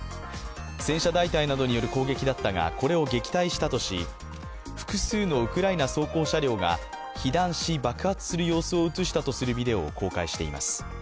戦車大隊などによる攻撃だったがこれを撃退したとし複数のウクライナ装甲車両が被弾し爆発する様子を映したとするビデオを公開しています。